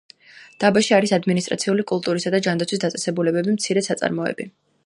დაბაში არის ადმინისტრაციული, კულტურის და ჯანდაცვის დაწესებულებები, მცირე საწარმოები.